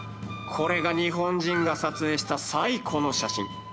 これが日本人が撮影した最古の写真。